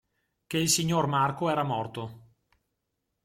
Che il signor Marco era morto.